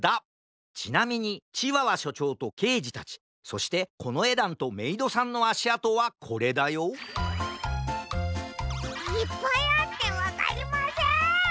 ちなみにチワワしょちょうとけいじたちそしてこのえだんとメイドさんのあしあとはこれだよいっぱいあってわかりません！